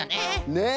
ねえ。